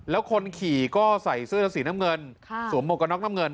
แล้วคนขี่ก็ใส่เสื้อสีน้ำเงินสวมหมวกกระน็อกน้ำเงิน